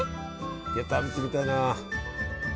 いや食べてみたいな。